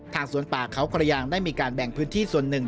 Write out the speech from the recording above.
สวนป่าเขากระยางได้มีการแบ่งพื้นที่ส่วนหนึ่ง